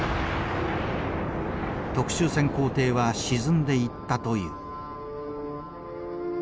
特殊潜航艇は沈んでいったという。